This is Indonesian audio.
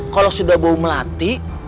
kalau sudah bau melatih